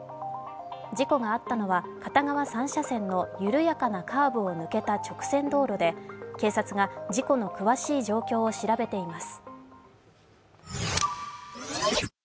事故があったのは片側３車線の緩やかなカーブを抜けた直線道路で警察が事故の詳しい状況を調べています。